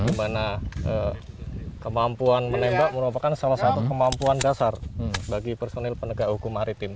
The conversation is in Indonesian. dimana kemampuan menembak merupakan salah satu kemampuan dasar bagi personil penegak hukum maritim